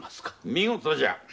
見事じゃ。